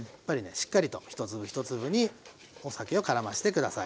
しっかりと一粒一粒にお酒を絡ませて下さい。